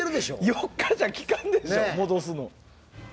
４日じゃきかないでしょ戻すの。